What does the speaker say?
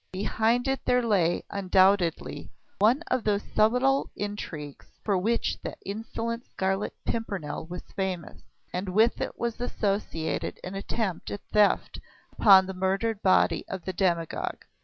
Behind it there lay, undoubtedly, one of those subtle intrigues for which that insolent Scarlet Pimpernel was famous; and with it was associated an attempt at theft upon the murdered body of the demagogue